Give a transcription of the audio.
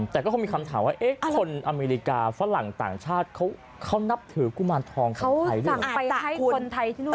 แต่ก็คงมีคำถามว่าคนอเมริกาฝรั่งต่างชาติเขานับถือกุมารทองของไทยหรือยัง